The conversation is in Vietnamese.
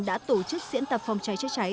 đã tổ chức diễn tập phòng cháy cháy cháy